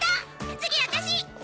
次私！